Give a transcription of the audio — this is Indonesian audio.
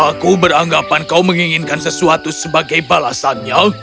aku beranggapan kau menginginkan sesuatu sebagai balasannya